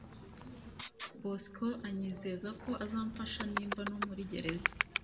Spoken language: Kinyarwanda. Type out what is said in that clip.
bosco anyizeza ko azamfasha nimva no muri gereza